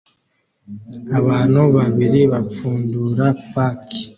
Abantu babiri bapfundura paki